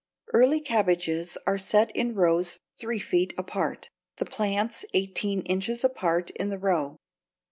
Early cabbages are set in rows three feet apart, the plants eighteen inches apart in the row.